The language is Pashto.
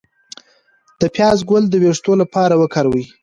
د پیاز ګل د ویښتو لپاره وکاروئ